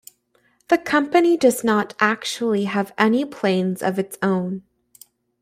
The company does not actually have any planes of its own.